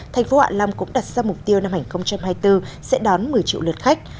thành phố hạ long cũng đặt ra mục tiêu năm hai nghìn hai mươi bốn sẽ đón một mươi triệu lượt khách